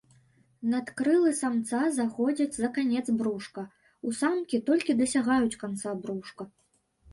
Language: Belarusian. Надкрылы самца заходзяць за канец брушка, у самкі толькі дасягаюць канца брушка.